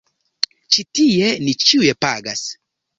Ĉi tie ni ĉiuj pagas.